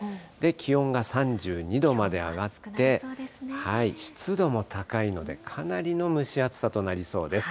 気温が３２度まで上がって、湿度も高いので、かなりの蒸し暑さとなりそうです。